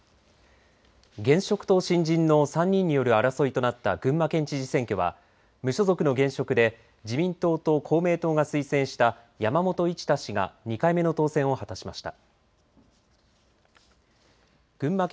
現職と新人の３人による争いとなった群馬県知事選挙は無所属の現職で自民党と公明党が推薦した山本一太氏が２回目の当選を果たしました。